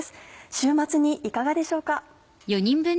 週末にいかがでしょうか。